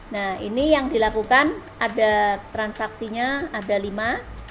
nah ini yang dilakukan ada transaksinya ada lima